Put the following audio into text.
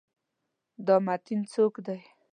دا متین څوک دی؟